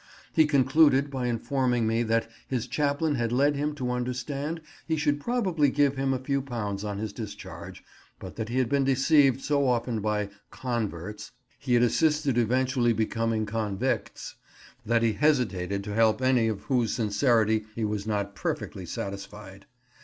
He concluded by informing me that his chaplain had led him to understand he should probably give him a few pounds on his discharge, but that he had been deceived so often by "converts" he had assisted eventually becoming "convicts," that he hesitated to help any of whose sincerity he was not perfectly satisfied.